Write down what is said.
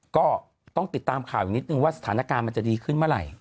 ก็ต้องติดตามข่าวอีกนิดนึงว่าสถานการณ์มันจะดีขึ้นเมื่อไหร่